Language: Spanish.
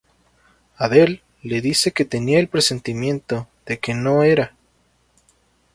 Adele le dice que tenía el presentimiento de que no era.